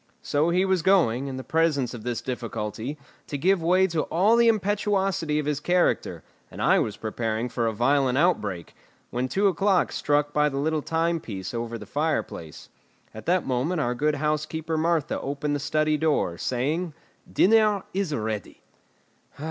So he was going, in the presence of this difficulty, to give way to all the impetuosity of his character, and I was preparing for a violent outbreak, when two o'clock struck by the little timepiece over the fireplace. At that moment our good housekeeper Martha opened the study door, saying: "Dinner is ready!"